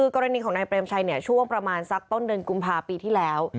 กรณีของนายเปรมชัยช่วงประมาณสักต้นเดือนกุมภาปีที่แล้ว